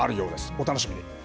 お楽しみに。